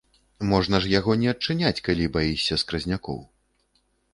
Можна ж яго не адчыняць, калі баішся скразнякоў.